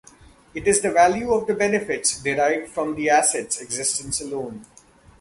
It is the value of the benefits derived from the asset's existence alone.